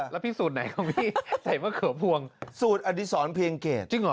แล้วพี่สูตรไหนครับพี่ใส่มะเขือพวงสูตรอดีศรเพียงเกตจริงเหรอ